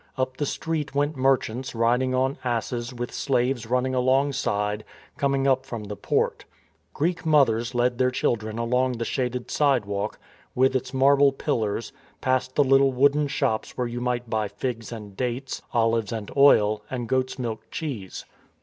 Up the street went merchants riding on asses with slaves running alongside, coming up from the port. Greek mothers led their children along the shaded side walk, with its marble pillars, past the little wooden shops where you might buy figs and dates, olives and oil, and goat's milk cheese.